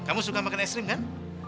kamu suka makan es krim kan